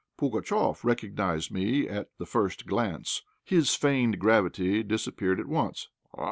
Pugatchéf recognized me at the first glance. His feigned gravity disappeared at once.